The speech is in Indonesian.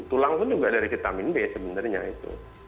tulang itu juga dari vitamin d sebenarnya itu